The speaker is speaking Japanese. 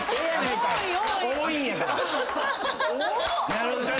なるほど。